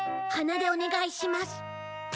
鼻でお願いします。